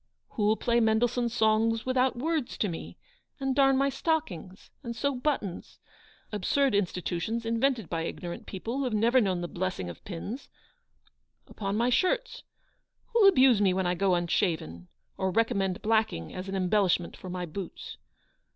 Who'll play Mendelssohn's ' Songs without Words * to me, and darn my stockings, and sew buttons — absurd institutions, invented by ignorant people, who have never known the blessing of pins — upon my shirts ? Who'll abuse me when I go unshaven, or recommend blacking as an embellishment for my boots